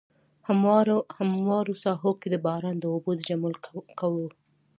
هموارو ساحو کې د باران د اوبو د جمع کولو.